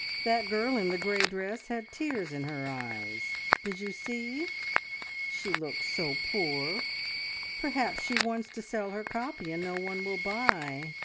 That girl in the grey dress had tears in her eyes. ... Did you see? She looks so poor. Perhaps she wants to sell her copy, and no one will buy!